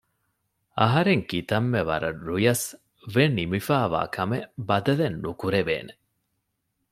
އަހަރެން ކިތަންމެ ވަރަށް ރުޔަސް ވެނިމިފައިވާ ކަމެއް ބަދަލެއް ނުކުރެވޭނެ